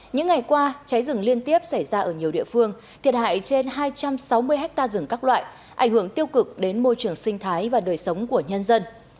những ngày qua cháy rừng liên tiếp xảy ra ở nhiều địa phương thiệt hại trên hai trăm sáu mươi ha rừng các loại ảnh hưởng tiêu cực đến môi trường sinh thái và đời sống của nhân dân